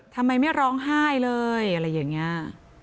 ทำไมไม่ร้องไห้เลยอะไรอย่างนี้